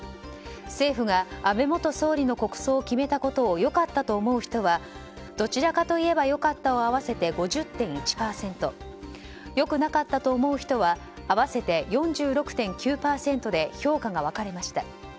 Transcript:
政府が安倍元総理の国葬を決めたことを良かったと思う人はどちらか言えば良かったを合わせて５０．１％良くなかったと思う人は合わせて４６．９％で評価が分かれました。